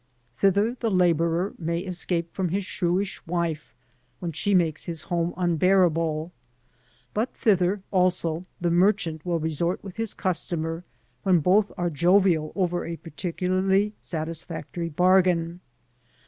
Thither the laborer may escape from his shrewish wife when she mak*es his home unbearable; but thither also the merchant will resort with his customer when both are jovial over a particu larly satisfactory bargain.